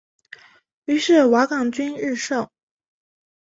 于是瓦岗军日盛。